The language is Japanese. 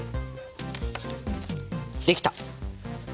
できた！